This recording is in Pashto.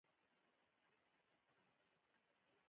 سپوږمۍ د ځمکې د مدار یوه مهمه برخه ده